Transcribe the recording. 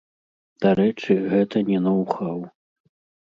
Дарэчы, гэта не ноў-хаў.